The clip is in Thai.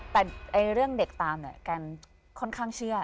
แต่เรื่องเด็กตามเนี่ยกันค่อนข้างเชื่อ